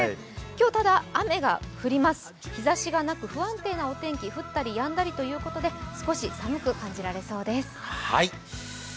日ざしがなく不安定なお天気、降ったりやんだりということで、少し寒く感じられそうです。